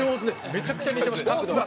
めちゃくちゃ似てます角度が。